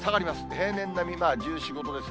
平年並み、１４、５度です。